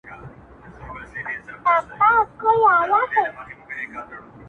زه مرکز د دایرې یم هم اجزاء هم کل عیان یم!.